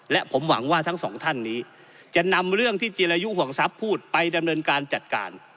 และผมหวังว่าทั้งสองท่านนี้จะนำเรื่องที่จิรายุห่วงทรัพย์พูดไปดำเนินการจัดการ